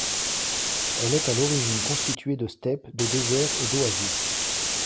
Elle est à l'origine constituée de steppes, de déserts et d'oasis.